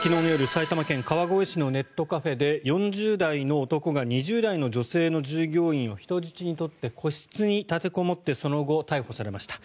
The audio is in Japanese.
埼玉県川越市のネットカフェで４０代の男が２０代の女性の従業員を人質に取って個室に立てこもってその後、逮捕されました。